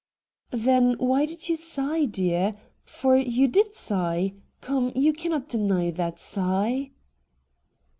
' Then why did you sigh, dear ? For you did sigh. Come, you cannot deny that sigh.'